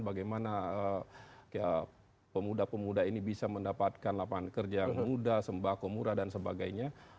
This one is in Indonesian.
bagaimana pemuda pemuda ini bisa mendapatkan lapangan kerja yang mudah sembako murah dan sebagainya